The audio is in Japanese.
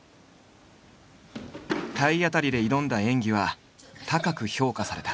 体当たりで挑んだ演技は高く評価された。